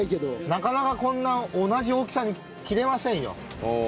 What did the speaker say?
なかなかこんな同じ大きさに切れませんよ。